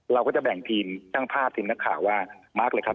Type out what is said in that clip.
เราก็จะแบ่งทีมช่างภาพทีมนักข่าวว่ามาร์คเลยครับ